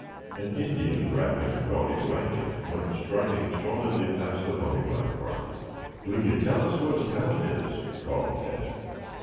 An Indian wrapped in a gaudy blanket went striding stolidly past the Pony Rider party. "Will you tell us where the town is?" called Tad.